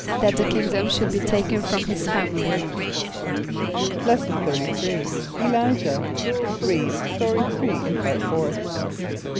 =That the kingdom should be taken from his family.= Lesson XXXIII. Elijah. (Read Story 3 in Part Fourth.)